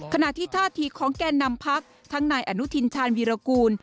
ขณะที่ท่าทีของแก่นำพักทั้งนายอนุทินชาญวีรกูล